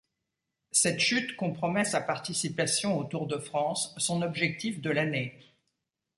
Cette chute compromet sa participation au Tour de France, son objectif de l'année.